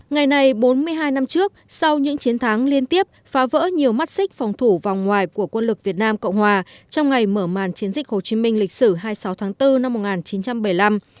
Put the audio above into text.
ngày này bốn mươi hai năm trước sau những chiến thắng liên tiếp phá vỡ nhiều mắt xích phòng thủ vòng ngoài của quân lực việt nam cộng hòa trong ngày mở màn chiến dịch hồ chí minh lịch sử hai mươi sáu tháng bốn năm một nghìn chín trăm bảy mươi năm